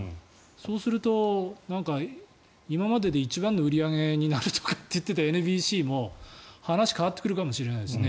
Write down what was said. そうすると今までで一番の売り上げになるとかって言ってたＮＢＣも話が変わってくるかもしれないですね。